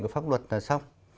của pháp luật là xong